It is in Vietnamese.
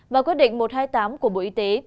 và quyết định một trăm hai mươi tám của bộ y tế